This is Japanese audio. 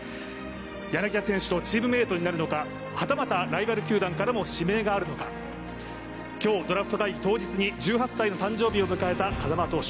柳田選手とチームメートになるのかはたまたライバル球団からも指名があるのか今日、ドラフト会議当日に１８歳の誕生日を迎えた風間投手。